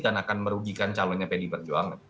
dan akan merugikan calonnya pdi perjuangan